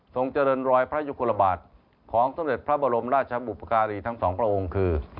เจริญรอยพระยุคลบาทของสมเด็จพระบรมราชบุปการีทั้งสองพระองค์คือ